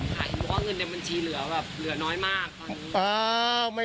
ขายเงินในบัญชีเหลือน้อยมาก